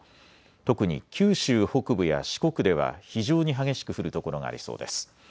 特に九州北部や四国では非常に激しく降る所がありそうです。